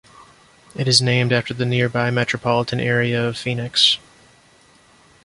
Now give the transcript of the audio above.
It is named after the nearby metropolitan area of Phoenix.